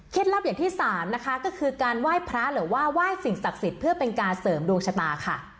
ลับอย่างที่สามนะคะก็คือการไหว้พระหรือว่าไหว้สิ่งศักดิ์สิทธิ์เพื่อเป็นการเสริมดวงชะตาค่ะ